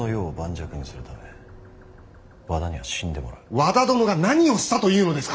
和田殿が何をしたというのですか。